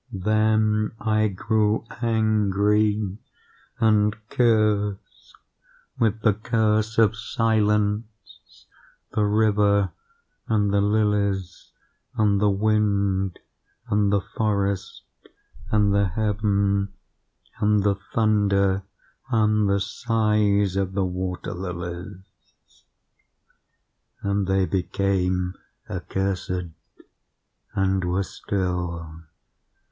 "Then I grew angry and cursed, with the curse of silence, the river, and the lilies, and the wind, and the forest, and the heaven, and the thunder, and the sighs of the water lilies. And they became accursed, and were still.